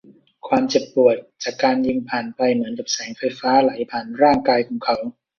ความเจ็บปวดจากการยิงผ่านไปเหมือนกับแสงไฟฟ้าไหลผ่านร่างกายของเขา